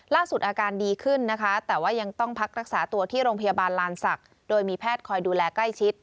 อาการดีขึ้นนะคะแต่ว่ายังต้องพักรักษาตัวที่โรงพยาบาลลานศักดิ์โดยมีแพทย์คอยดูแลใกล้ชิด